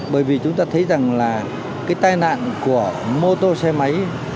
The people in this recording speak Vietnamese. bởi vì chúng ta thấy rằng là cái tai nạn của mô tô xe máy